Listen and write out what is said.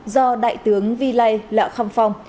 do đại tướng vi lai lạ khăm phong